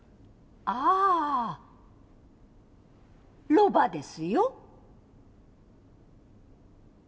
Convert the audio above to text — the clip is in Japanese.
ああロバですよ。